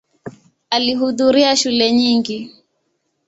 Alihudhuria shule nyingi.